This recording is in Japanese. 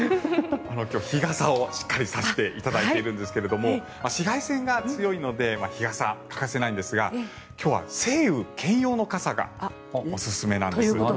今日、日傘をしっかり差していただいているんですが紫外線が強いので日傘が欠かせないのですが今日は晴雨兼用の傘がおすすめなんです。